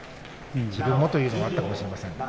自分も、という気持ちもあったかもしれませんね。